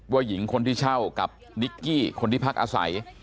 หญิงคนที่เช่ากับนิกกี้คนที่พักอาศัย